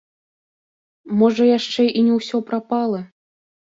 Можа, яшчэ і не ўсё прапала?